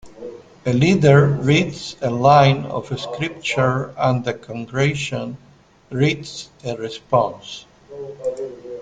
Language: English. A leader reads a line of scripture and the congregation reads a response.